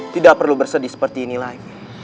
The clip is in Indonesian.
tidak perlu bersedih seperti ini lagi